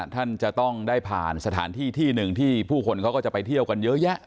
ท่านจะต้องได้ผ่านสถานที่ที่หนึ่งที่ผู้คนเขาก็จะไปเที่ยวกันเยอะแยะ